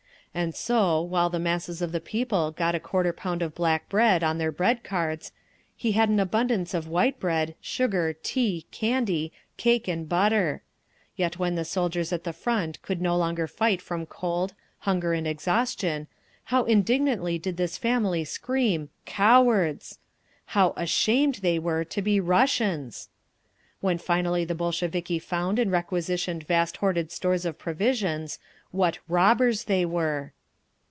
And so, while the masses of the people got a quarter pound of black bread on their bread cards, he had an abundance of white bread, sugar, tea, candy, cake and butter…. Yet when the soldiers at the front could no longer fight from cold, hunger and exhaustion, how indignantly did this family scream "Cowards!"—how "ashamed" they were "to be Russians"… When finally the Bolsheviki found and requisitioned vast hoarded stores of provisions, what "Robbers" they were.